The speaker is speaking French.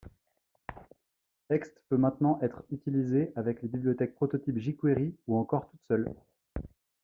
Ext peut maintenant être utilisée avec les bibliothèques Prototype, jQuery ou encore toute seule.